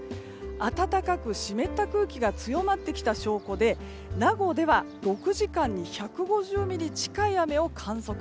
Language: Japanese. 暖かく湿った空気が強まってきた証拠で名護では６時間に１５０ミリ近い雨を観測。